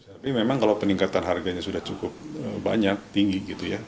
tapi memang kalau peningkatan harganya sudah cukup banyak tinggi gitu ya